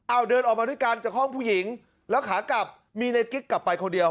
เอาเดินออกมาด้วยกันจากห้องผู้หญิงแล้วขากลับมีในกิ๊กกลับไปคนเดียว